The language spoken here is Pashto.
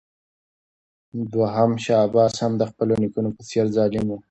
دوهم شاه عباس هم د خپلو نیکونو په څېر ظالم و.